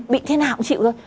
bị thế nào cũng chịu rồi